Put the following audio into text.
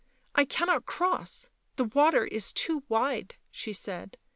" I cannot cross — the water is too wide," she said.